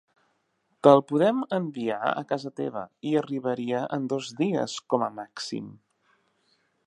Te'l podem enviar a casa teva i arribaria en dos dies com a màxim.